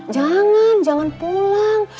jangan jangan pulang